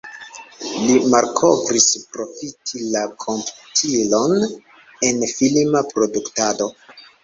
Li malkovris profiti la komputilon en filma produktado.